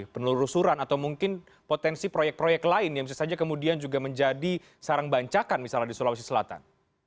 penelusuran atau mungkin potensi proyek proyek lain yang bisa saja kemudian juga menjadi sarang bancakan misalnya di sulawesi selatan